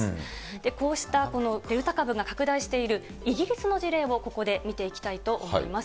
こうしたこのデルタ株が拡大しているイギリスの事例をここで見ていきたいと思います。